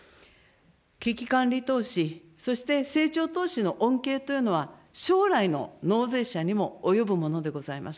危機管理投資、そして成長投資の恩恵というのは、将来の納税者にも及ぶものでございます。